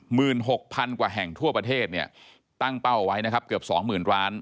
หมื่นหกพันกว่าแห่งทั่วประเทศตั้งเป้าไว้เกือบสองหมื่นร้าน